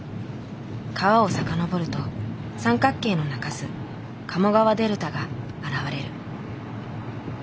川を遡ると三角形の中州鴨川デルタが現れる。